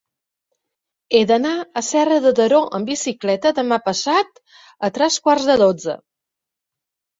He d'anar a Serra de Daró amb bicicleta demà passat a tres quarts de dotze.